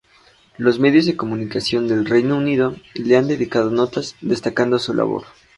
Los medios de comunicación del Reino Unido le han dedicado notas, destacando su labor.